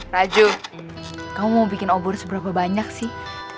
raju kamu mau bikin obor seberapa banyak sih